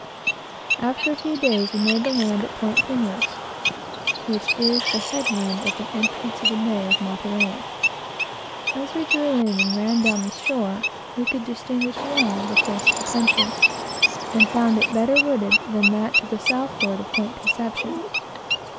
After a few days we made the land at Point Pinos, (pines,) which is the headland at the entrance of the bay of Monterey. As we drew in, and ran down the shore, we could distinguish well the face of the country, and found it better wooded than that to the southward of Point Conception.